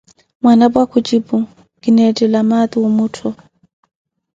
Mwanapwa kujipu: Kineethela maati omuttho.